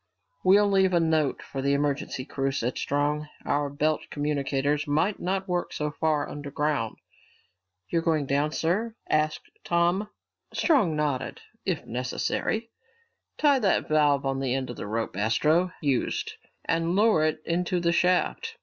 "We'll leave a note for the emergency crew," said Strong. "Our belt communicators might not work so far underground." "You're going down, sir?" asked Tom. Strong nodded. "If necessary. Tie that valve on the end of the rope Astro used and lower it into the shaft.